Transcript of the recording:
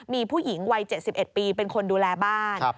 มีผู้หญิงวัย๗๑ปีเป็นคนดูแลบ้าน